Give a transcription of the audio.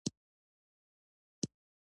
اوړي د افغانستان د اقتصاد برخه ده.